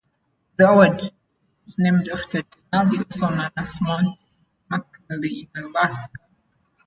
The award is named after Denali, also known as Mount McKinley in Alaska.